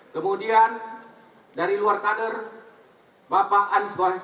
kemudian dari luar kader bapak anies baswedan